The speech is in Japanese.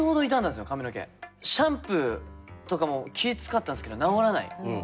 シャンプーとかも気ぃ遣ったんですけど治らない。